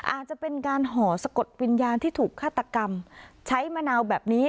อาจจะเป็นการห่อสะกดวิญญาณที่ถูกฆาตกรรมใช้มะนาวแบบนี้